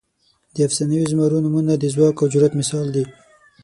د افسانوي زمرو نومونه د ځواک او جرئت مثال دي.